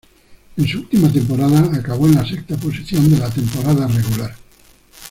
En su última temporada acabó en la sexta posición de la temporada regular.